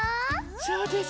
そうです。